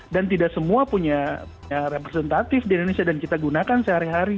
dan tidak semua punya representatif di indonesia dan kita gunakan sehari hari